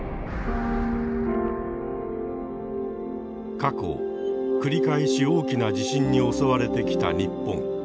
過去繰り返し大きな地震に襲われてきた日本。